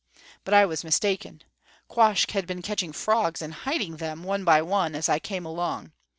But I was mistaken. Quoskh had been catching frogs and hiding them, one by one, as I came along.